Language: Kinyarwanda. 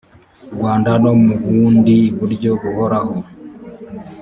rwanda no mu bundi buryo buhoraho